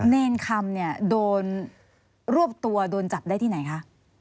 เนรคำเนี่ยโดนรวบตัวโดนจับได้ที่ไหนคะ